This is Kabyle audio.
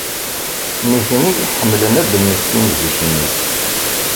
Nitni ḥemmlen ad d-mmektin zik-nni.